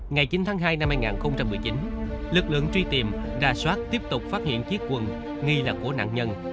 ngày chín tháng hai năm hai nghìn một mươi chín lực lượng truy tìm đà soát tiếp tục phát hiện chiếc quần nghi là của nạn nhân